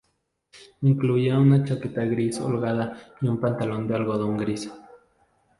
Incluía una chaqueta gris holgada y un pantalón de algodón gris.